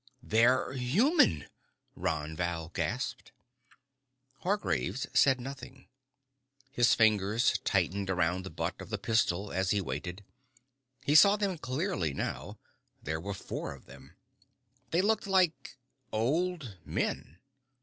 "They're human!" Ron Val gasped. Hargraves said nothing. His fingers tightened around the butt of the pistol as he waited. He saw them clearly now. There were four of them. They looked like old men.